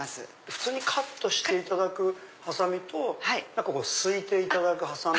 普通にカットしていただくハサミとすいていただくハサミ。